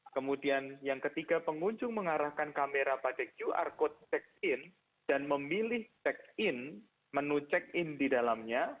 kemudian yang ketiga pengunjung mengarahkan kamera pada qr code check in dan memilih check in menu check in di dalamnya